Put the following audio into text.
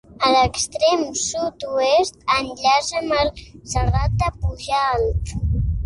A l'extrem sud-oest enllaça amb el Serrat de Pujalt.